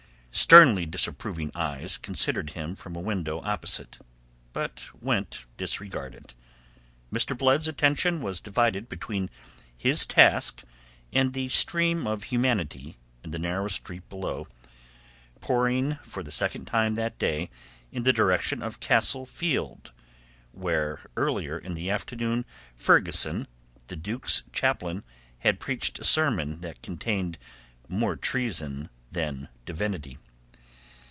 Sternly disapproving eyes considered him from a window opposite, but went disregarded. Mr. Blood's attention was divided between his task and the stream of humanity in the narrow street below; a stream which poured for the second time that day towards Castle Field, where earlier in the afternoon Ferguson, the Duke's chaplain, had preached a sermon containing more treason than divinity.